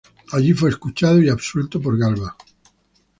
Allí fue escuchado y absuelto por Galba.